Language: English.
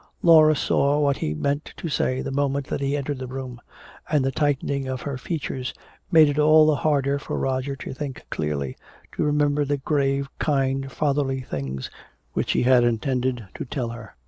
Laura saw what he meant to say the moment that he entered the room, and the tightening of her features made it all the harder for Roger to think clearly, to remember the grave, kind, fatherly things which he had intended to tell her.